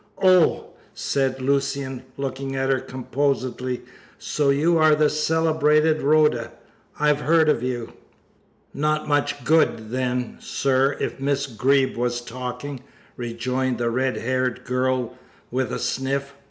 "Oh!" said Lucian, looking at her composedly, "so you are the celebrated Rhoda? I've heard of you." "Not much good, then, sir, if Miss Greeb was talking," rejoined the red haired girl, with a sniff.